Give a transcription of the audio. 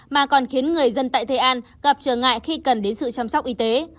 mà còn khiến người dân tại thê an gặp trở ngại khi cần đến sự chăm sóc y tế